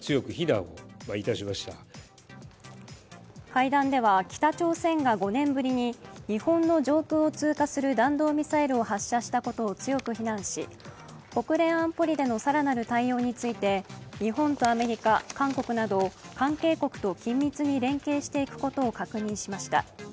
会談では北朝鮮が５年ぶりに日本の上空を通過する弾道ミサイルを発射したことを強く非難し、国連安保理での更なる対応について日本とアメリカ、韓国など関係国と緊密に連携していくことを確認しました。